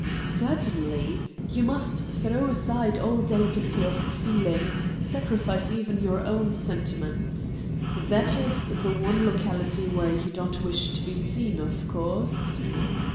"Certainly. You must throw aside all delicacy of feeling, sacrifice even your own sentiments. That is the one locality where you don't wish to be seen, of course?"